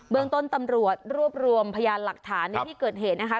เมืองต้นตำรวจรวบรวมพยานหลักฐานในที่เกิดเหตุนะคะ